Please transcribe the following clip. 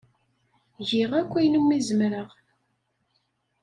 Giɣ akk ayen umi zemreɣ.